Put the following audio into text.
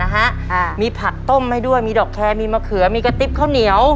อ่ามีผักต้มให้ด้วยมีดอกแคร์มีมะเขือมีกระติ๊บข้าวเหนียว